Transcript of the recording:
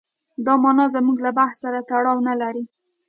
دا معنا زموږ له بحث سره تړاو نه لري.